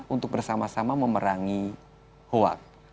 untuk bersama sama memerangi hoax